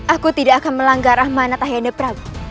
aku tidak akan melanggar rahmanat hayande prabu